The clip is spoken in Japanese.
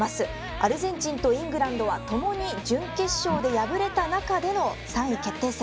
アルゼンチンと、イングランドはともに準決勝で敗れた中での３位決定戦。